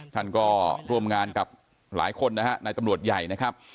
ท่านก็ร่วมงานกับหลายคนนะฮะในตำรวจใหญ่นะครับ